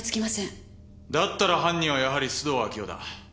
だったら犯人はやはり須藤明代だ。